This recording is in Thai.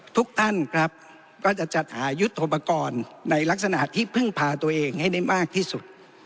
ทุกท่านครับก็จะจัดหายุทธโปรกรณ์ในลักษณะที่พึ่งพาตัวเองให้ได้มากที่สุด